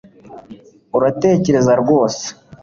Uratekereza rwose